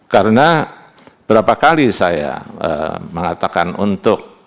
karena berapa kali saya mengatakan untuk